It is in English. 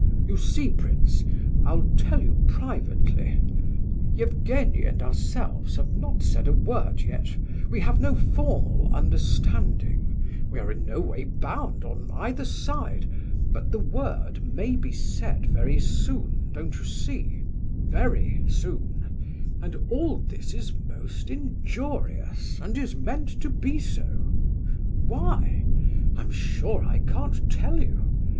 You see, prince, I'll tell you privately, Evgenie and ourselves have not said a word yet, we have no formal understanding, we are in no way bound on either side, but the word may be said very soon, don't you see, very soon, and all this is most injurious, and is meant to be so. Why? I'm sure I can't tell you.